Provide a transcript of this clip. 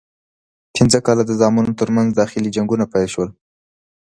پنځه کاله د زامنو ترمنځ داخلي جنګونه پیل شول.